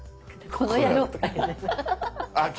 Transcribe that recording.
「この野郎」とか言って。